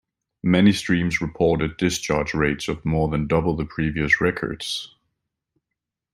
Many streams reported discharge rates of more than double the previous records.